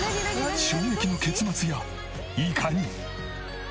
衝撃の結末やいかに！？